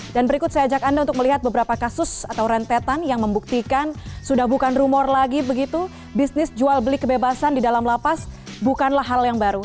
berikut saya ajak anda untuk melihat beberapa kasus atau rentetan yang membuktikan sudah bukan rumor lagi begitu bisnis jual beli kebebasan di dalam lapas bukanlah hal yang baru